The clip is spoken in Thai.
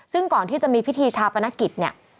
ซึ่งก่อนที่จะมีพิธีชาปนกิจเนี่ย